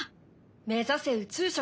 目指せ宇宙食！